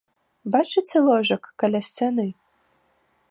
Бачыце ложак каля сцяны?